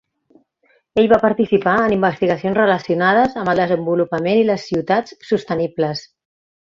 Ell va participar en investigacions relacionades amb el desenvolupament i les ciutats sostenibles.